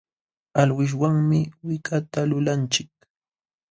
Alwishwanmi wikata lulanchik.